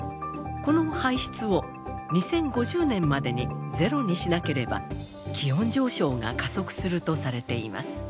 この排出を２０５０年までにゼロにしなければ気温上昇が加速するとされています。